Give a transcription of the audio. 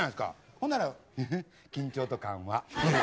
ほんなら、へへ、緊張と緩和。